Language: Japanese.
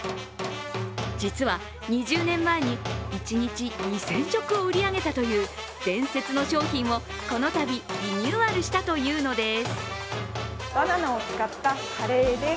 実は、２０年前に一日２０００食を売り上げたという伝説の商品をこのたびリニューアルしたというのです。